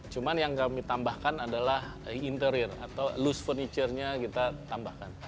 cuma yang kami tambahkan adalah interior atau loose furniture nya kita tambahkan